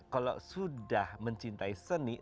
kalau sudah mencintai seni